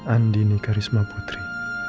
andi nicarisma putri